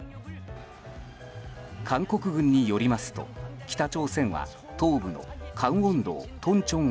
韓国軍によりますと北朝鮮は、東部のカンウォン道トンチョン